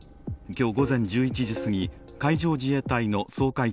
今日午前１１時すぎ海上自衛隊の掃海艇